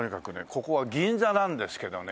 ここは銀座なんですけどね